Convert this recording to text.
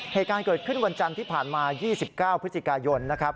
เหตุการณ์เกิดขึ้นวันจันทร์ที่ผ่านมา๒๙พฤศจิกายนนะครับ